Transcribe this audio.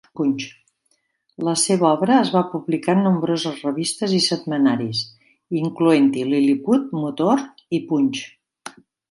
La seva obra es va publicar en nombroses revistes i setmanaris, incloent-hi "Liliput", "Motor" i "Punch".